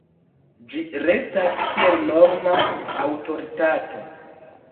Ĝi restas kiel norma aŭtoritato.